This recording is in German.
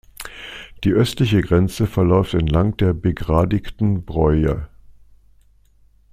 Die östliche Grenze verläuft entlang der begradigten Broye.